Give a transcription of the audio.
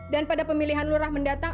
dan pada pemilihan lurah mendatang